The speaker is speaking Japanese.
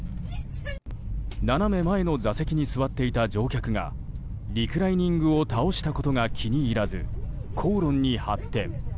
斜め前の座席に座っていた乗客がリクライニングを倒したことが気に入らず口論に発展。